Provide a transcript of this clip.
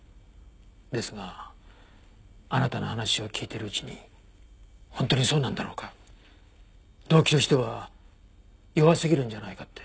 ですがあなたの話を聞いているうちに本当にそうなんだろうか動機としては弱すぎるんじゃないかって。